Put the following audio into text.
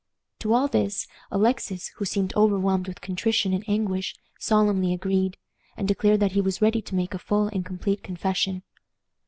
To all this, Alexis, who seemed overwhelmed with contrition and anguish, solemnly agreed, and declared that he was ready to make a full and complete confession.